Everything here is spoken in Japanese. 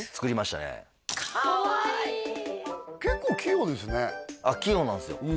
かわいい結構器用ですね器用なんですよ